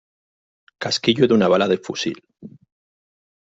casquillo de una bala de fusil.